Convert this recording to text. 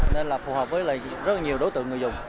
nên là phù hợp với rất nhiều đối tượng người dùng